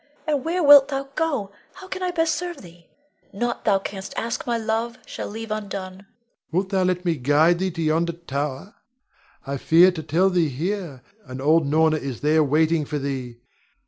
And where wilt thou go, and how can I best serve thee? Nought thou canst ask my love shall leave undone. Rod. Wilt thou let me guide thee to yonder tower? I fear to tell thee here, and old Norna is there waiting for thee.